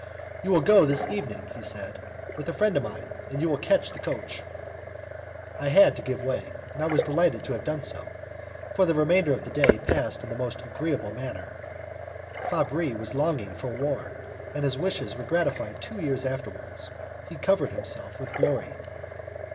"You will go this evening," he said, "with a friend of mine, and you will catch the coach." I had to give way, and I was delighted to have done so, for the remainder of the day passed in the most agreeable manner. Fabris was longing for war, and his wishes were gratified two years afterwards; he covered himself with glory.